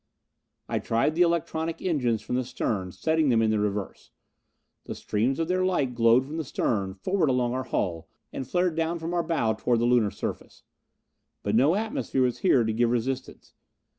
I tried the electronic engines from the stern, setting them in the reverse. The streams of their light glowed from the stern, forward along our hull, and flared down from our bow toward the Lunar surface. But no atmosphere was here to give resistance.